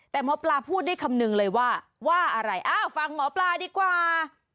แต่หมอปลาพูดได้คำนึงเลยว่าว่าอะไรอ้าวฟังหมอปลาดีกว่า